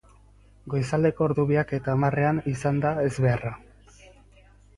Goizaldeko ordu biak eta hamarrean izan da ezbeharra.